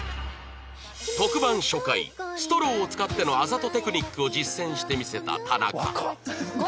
特番初回ストローを使ってのあざとテクニックを実践して見せた田中